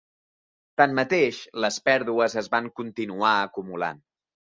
Tanmateix, les pèrdues es van continuar acumulant.